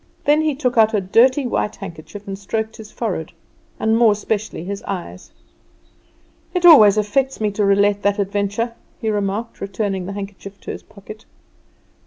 Then he took out a dirty white handkerchief and stroked his forehead, and more especially his eyes. "It always affects me to relate that adventure," he remarked, returning the handkerchief to his pocket.